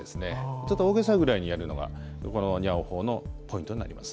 ちょっと大げさぐらいにやるのがこのにゃーお法のポイントになります。